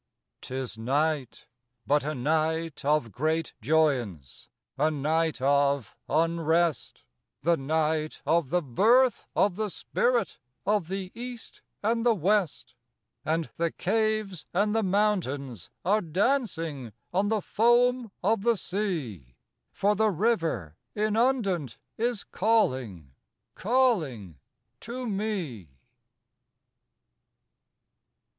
'T is night, but a night of great joyance, A night of unrest;— The night of the birth of the spirit Of the East and the West; And the Caves and the Mountains are dancing On the Foam of the Sea, For the River inundant is calling. Calling to me.